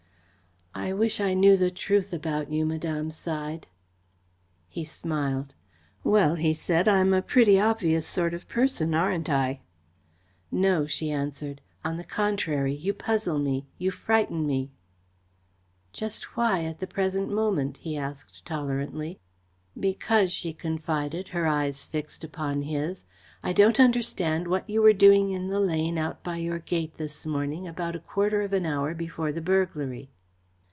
"I wish I knew the truth about you," Madame sighed. He smiled. "Well," he said, "I'm a pretty obvious sort of person, aren't I?" "No," she answered. "On the contrary, you puzzle me, you frighten me." "Just why, at the present moment?" he asked tolerantly. "Because," she confided, her eyes fixed upon his, "I don't understand what you were doing in the lane out by your gate this morning about a quarter of an hour before the burglary."